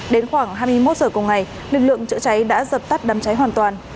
đến khoảng hai mươi một h cùng ngày lực lượng chữa cháy đã dập tắt đám cháy hoàn toàn